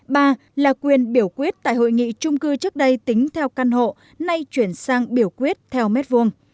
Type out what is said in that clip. ba là quyền biểu quyết tại hội nghị trung cư trước đây tính theo căn hộ nay chuyển sang biểu quyết theo mét vuông